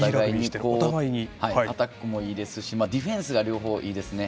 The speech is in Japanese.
お互いに、アタックもいいですしディフェンスが両方いいですね。